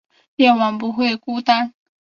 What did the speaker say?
夜晚不会孤单